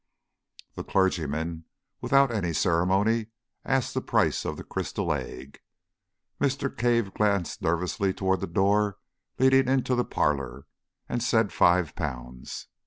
The clergyman, without any ceremony, asked the price of the crystal egg. Mr. Cave glanced nervously towards the door leading into the parlour, and said five pounds.